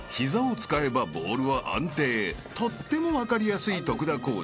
［とっても分かりやすい徳田コーチ］